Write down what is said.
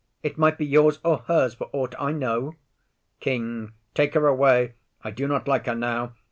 It might be yours or hers for ought I know. KING. Take her away, I do not like her now.